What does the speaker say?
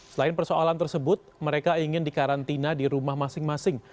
selain persoalan tersebut mereka ingin dikarantina di rumah masing masing